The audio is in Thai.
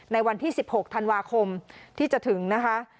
ในวันที่๑๖ธันวาคมที่จะถึงนะคะ